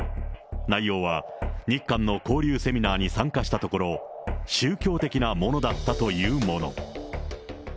内容は、日韓の交流セミナーに参加したところ、宗教的なものだったというもの。